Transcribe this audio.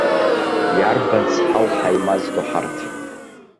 Иарбан цҳау ҳаимаздо ҳарҭ?